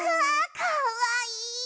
かわいい。